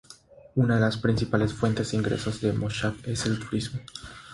Uno de las principales fuentes de ingresos del moshav es el turismo.